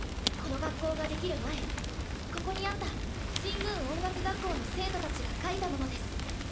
この学校が出来る前ここにあった神宮音楽学校の生徒たちが書いたものです。